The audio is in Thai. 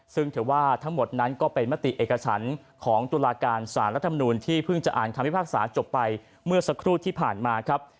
ซึ่งถือว่าทั้งหมดนั้นก็เป็นมติเอกฉันของตุลาการสารรัฐมนูลที่เพิ่งจะอ่านคำพิพากษาจบไปเมื่อสักครู่ที่ผ่านมาครับ